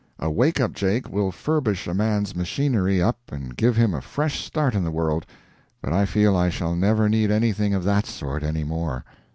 A "wake up Jake" will furbish a man's machinery up and give him a fresh start in the world—but I feel I shall never need anything of that sort any more.